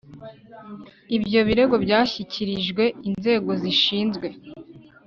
ibyo birego byashyikirijwe inzego zishinzwe